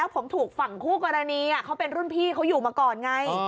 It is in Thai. ผู้กรณีเขาเป็นรุ่นพี่เขาอยู่มาก่อนไง